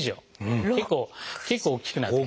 結構大きくなって。